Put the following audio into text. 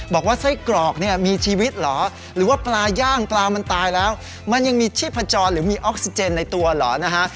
บอกว่าไส้กรอกเนี่ยมีชีวิตเหรอหรือว่าปลาย่างปลามันตายแล้วมันยังมีชีพจรหรือมีออกซิเจนในตัวเหรอนะฮะ